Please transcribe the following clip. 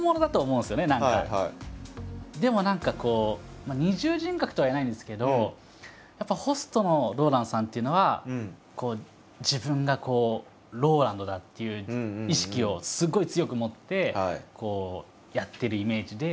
でも何かこう二重人格とは言わないんですけどやっぱホストのＲＯＬＡＮＤさんっていうのは自分がＲＯＬＡＮＤだっていう意識をすごい強く持ってこうやっているイメージで。